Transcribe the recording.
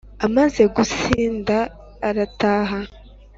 amaze gusinda arataha